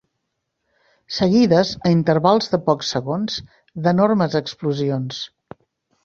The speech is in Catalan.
Seguides, a intervals de pocs segons, d'enormes explosions.